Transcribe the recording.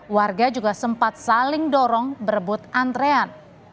warga juga sempat saling dorong berebut antrean